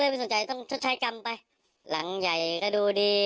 ไม่สนใจต้องชดใช้กรรมไปหลังใหญ่ก็ดูดี